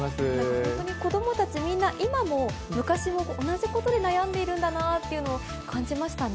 本当に子どもたちみんな、今も昔も同じことで悩んでいるだなっていうのを感じましたね。